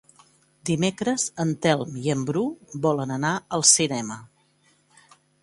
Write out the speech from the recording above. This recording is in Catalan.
Dimecres en Telm i en Bru volen anar al cinema.